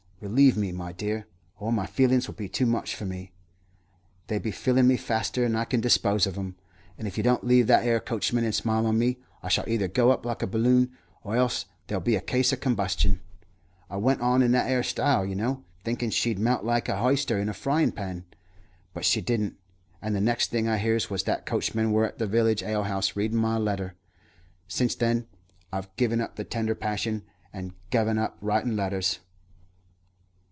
Relieve me, my dear, or my feelin's will be too much for me. They be fillin' me faster 'n I can dispose of 'em; and if you don't leave that 'ere coachman and smile on me, I shall either go up like a baloon, or else there'll be a case of combustion.' I went on in that 'ere style, yer know, thinkin' she'd melt like a h'yster in a fryin' pan, but she didn't; and the next thing I hears wus that the coachman wur at the willage alehouse readin' my letter. Since then I've guv up the tender passion and guv up writin' letters."